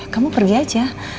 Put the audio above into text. kamu pergi aja